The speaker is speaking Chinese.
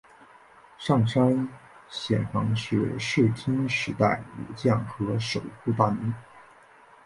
上杉显房是室町时代武将和守护大名。